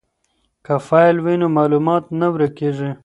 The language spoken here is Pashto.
که فایل وي نو معلومات نه ورکیږي.